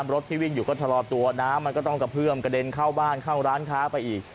รถที่วิ่งอยู่ก็ชะลอตัวน้ำมันก็ต้องกระเพื่อมกระเด็นเข้าบ้านเข้าร้านค้าไปอีก